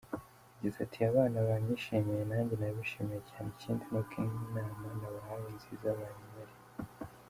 Yagize ati “Abana banyishimiye nanjye nabishimiye cyane, ikindi ni uko inama nabahaye nziza banyemereye.